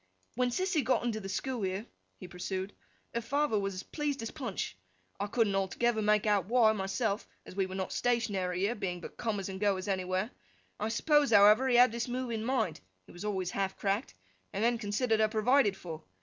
'When Sissy got into the school here,' he pursued, 'her father was as pleased as Punch. I couldn't altogether make out why, myself, as we were not stationary here, being but comers and goers anywhere. I suppose, however, he had this move in his mind—he was always half cracked—and then considered her provided for.